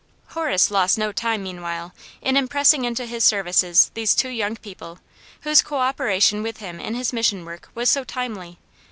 Horace lost no time, meanwhile, in impressing into his services these two young people, whose co opera tion with him in his Mission work was so timely.